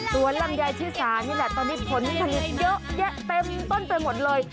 สวนลำใยที่สานี่แหละตอนนี้ผลพิพันธุ์เยอะเยะเต็มต้นไปหมดเลย